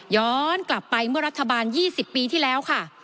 ย้อนกลับไปเมื่อรัฐบาล๒๐ปีที่แล้วค่ะ